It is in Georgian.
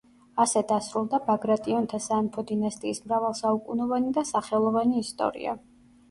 ასე დასრულდა ბაგრატიონთა სამეფო დინასტიის მრავალსაუკუნოვანი და სახელოვანი ისტორია.